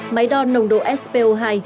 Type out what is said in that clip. máy đo nồng độ spo hai